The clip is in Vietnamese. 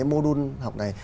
mô đun học này